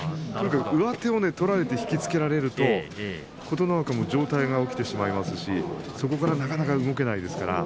上手を取られて引き付けられると琴ノ若も上体が起きてしまいますしそこからなかなか動けません。